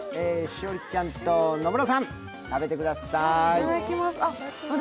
栞里ちゃんと野村さん、食べてください。